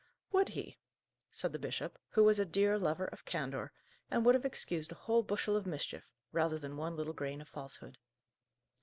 "Would he?" said the bishop, who was a dear lover of candour, and would have excused a whole bushel of mischief, rather than one little grain of falsehood.